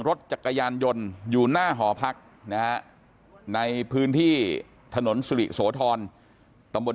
รถจักรยานยนต์อยู่หน้าหอพักนะฮะในพื้นที่ถนนสุริโสธรตำบล